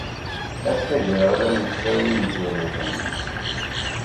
Ass agreɣlan n tlawin igerrzen!